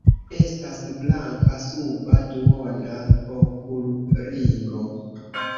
Estas blanka suba duona okulringo.